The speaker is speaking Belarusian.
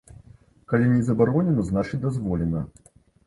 Калі не забаронена, значыць, дазволена.